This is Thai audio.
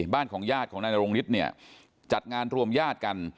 บ้านของญาติของนายนรงฤทธิ์เนี่ยจัดงานรวมญาติกัน